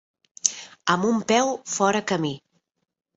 Amb un peu fora camí.